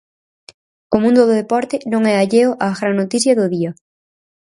O mundo do deporte non é alleo á gran noticia do día.